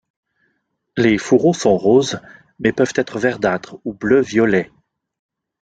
Les fourreaux sont roses mais peuvent être verdâtres ou bleu-violets.